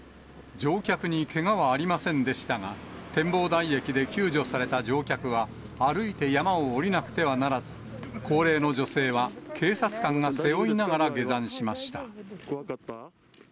乗客にけがはありませんでしたが、展望台駅で救助された乗客は、歩いて山を下りなくてはならず、高齢の女性は警察官が背負いながら下山しました。